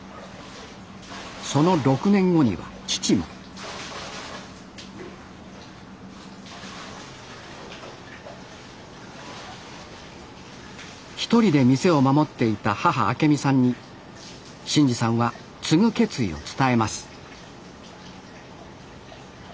その６年後には父も一人で店を守っていた母明美さんに伸二さんは継ぐ決意を伝えます